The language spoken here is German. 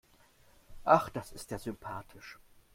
Ach, das ist ja sympathisch.